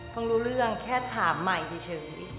รู้เรื่องแค่ถามใหม่เฉย